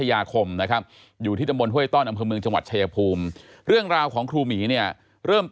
ยาท่าน้ำขาวไทยนครเพราะทุกการเดินทางของคุณจะมีแต่รอยยิ้ม